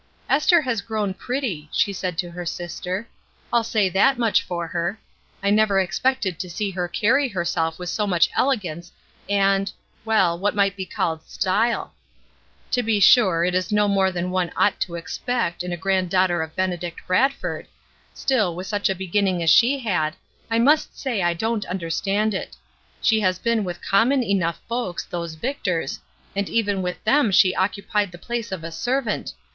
"Esther has grown pretty," she said to her sister. "I'll say that much for her. I never expected to see her carry herself with so much elegance and — well, what might be called style. 298 ESTER RIED'S NAMESAKE To be sure, it is no more than one ought to ex pect, in a granddaughter of Benedict Bradford; still, with such a beginning as she had, I must say I don't understand it. She has been with common enough folks, those Victors, and even with them she occupied the place of a servant.